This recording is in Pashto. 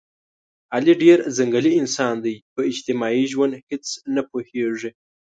علي ډېر ځنګلي انسان دی، په اجتماعي ژوند هېڅ نه پوهېږي.